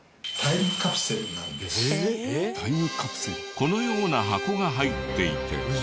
このような箱が入っていて。